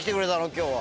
今日は。